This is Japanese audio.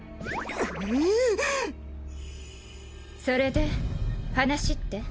それで話って？